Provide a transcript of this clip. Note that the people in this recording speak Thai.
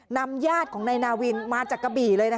ญาติของนายนาวินมาจากกะบี่เลย